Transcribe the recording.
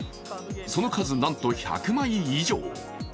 その数、なんと１００枚以上。